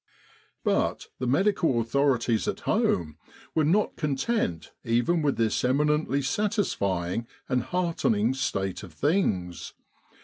But the Medical . Authorities at home were not content even with this eminently satisfying and heartening state of things.